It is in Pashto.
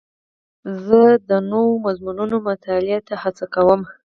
زه د نوو مضمونونو مطالعې ته هڅه کوم.